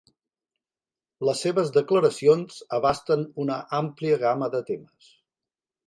Les seves declaracions abasten una àmplia gamma de temes.